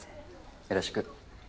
よろしく。